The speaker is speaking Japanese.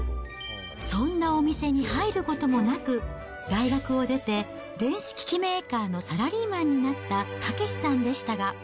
そんなお店に入ることもなく、大学を出て電子機器メーカーのサラリーマンになった健志さんでしたが。